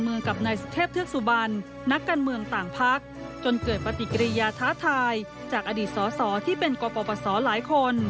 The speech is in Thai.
มือกับนายสิทธิพแตศพศุบันนักกันเมืองต่างพักจนเกิดปฏิกิริยาท้าทายจากอดีตสอสอที่เป็นกวบประสอบหลายคน